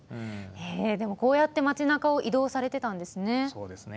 でも、こうやって町なかを移動されてたんですね。